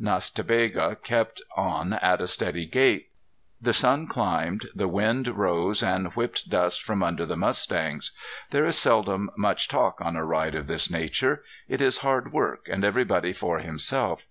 Nas ta Bega kept on at a steady gait. The sun climbed. The wind rose and whipped dust from under the mustangs. There is seldom much talk on a ride of this nature. It is hard work and everybody for himself.